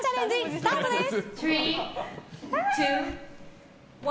スタートです！